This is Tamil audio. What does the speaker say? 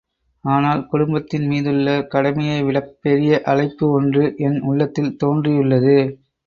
ஆனால், குடும்பத்தின் மீதுள்ள கடமையைவிடப் பெரிய அழைப்பு ஒன்று என் உள்ளத்தில் தோன்றியுள்ளது.